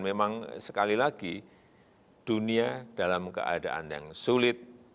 memang sekali lagi dunia dalam keadaan yang sulit